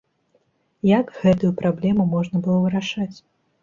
Як гэтую праблему можна было вырашаць?